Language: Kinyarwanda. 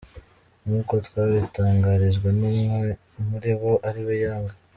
Nk'uko twabitangarijwe numwe muri bo ariwe Young.